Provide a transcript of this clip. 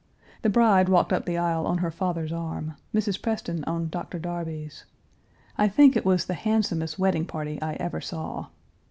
The bride walked up the aisle on her father's arm, Mrs. Preston on Dr. Darby's. I think it was the handsomest wedding party I ever saw.